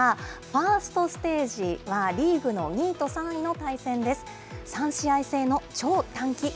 ファーストステージはリーグの２位と３位の対戦です。